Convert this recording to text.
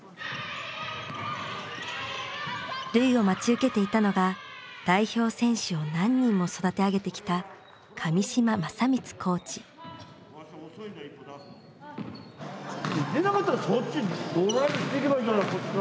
瑠唯を待ち受けていたのが代表選手を何人も育て上げてきたでなかったらそっちドライブしていけばいいじゃないか